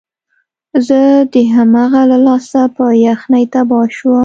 زه د هغه له لاسه په یخنۍ تباه شوم